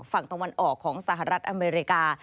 ฝั่งตะวันออกของสหรัฐอเมริกา